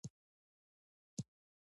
په موسکا یې وویل.